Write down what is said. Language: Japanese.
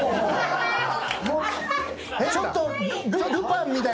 ちょっとルパンみたいな感じ？